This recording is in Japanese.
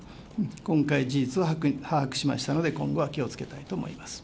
今回、事実を把握しましたので、今後は気をつけたいと思います。